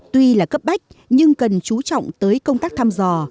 tuy là cấp bách nhưng cần chú trọng tới công tác thăm dò